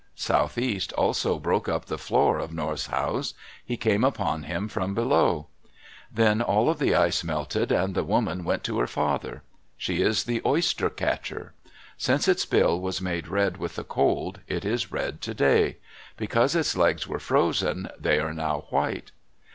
Southeast also broke up the floor of North's house. He came upon him from below. Then all of the ice melted and the woman went to her father. She is the Oyster Catcher. Since its bill was made red with the cold, it is red today. Because its legs were frozen, they are now white.